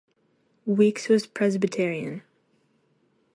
Weeks was Presbyterian.